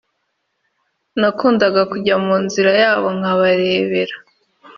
nakundaga kujya mu nzira yabo nkababera